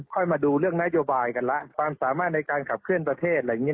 ค่อยมาดูเรื่องนโยบายกันละความสามารถในการขับเคลื่อนประเทศ